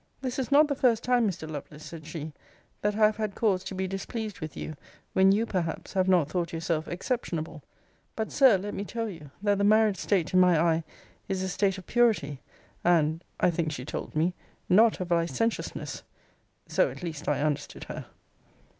This is not the first time, Mr. Lovelace, said she, that I have had cause to be displeased with you, when you, perhaps, have not thought yourself exceptionable. But, Sir, let me tell you, that the married state, in my eye, is a state of purity, and [I think she told me] not of licentiousness; so, at least, I understood her.